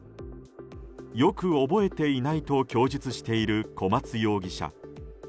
よく覚えていないと供述している小松容疑者。